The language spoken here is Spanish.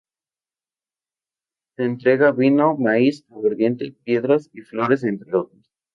Se entrega vino, maíz, aguardiente, piedras y flores, entre otros.